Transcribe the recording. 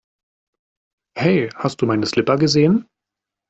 Hey hast du meine Slipper gesehen?